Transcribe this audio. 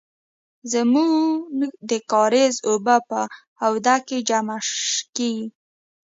زمونږ د کاریز اوبه په آوده کې جمع کیږي.